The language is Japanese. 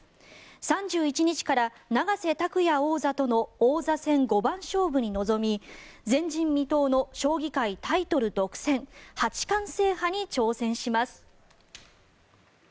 ３１日から永瀬拓矢王座との王座戦五番勝負に臨み前人未到の将棋界タイトル独占八冠制覇に挑戦します。